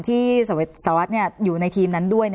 ที่สวัสดิ์อยู่ในทีมนั้นด้วย